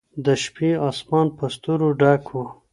د شپې اسمان په ستورو ډک و.